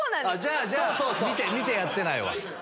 じゃあ見てやってないわ。